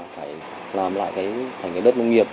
phải làm lại cái đất nông nghiệp